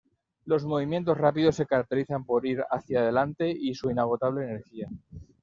Los movimientos rápidos se caracterizan por ir hacia delante y su inagotable energía.